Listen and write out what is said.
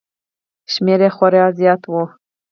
شمېر یې خورا زیات و